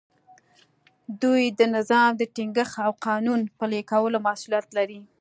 دوی د نظم د ټینګښت او قانون پلي کولو مسوولیت لري.